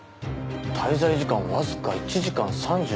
滞在時間わずか１時間３２分。